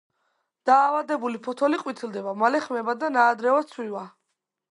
დაავადებული ფოთოლი ყვითლდება, მალე ხმება და ნაადრევად ცვივა.